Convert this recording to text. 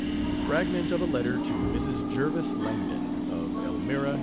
Fragment of a letter to Mrs. Jervis Langdon, of Elmira, N.